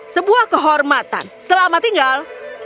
sebuah kehormatan selamat tinggal